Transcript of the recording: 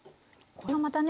これがまたね